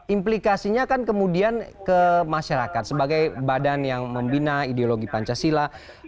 implikasinya kan kemudian ke masyarakat sebagai badan yang membina ideologi pancasila